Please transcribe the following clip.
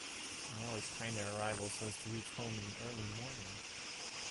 They always time their arrival so as to reach home in the early morning.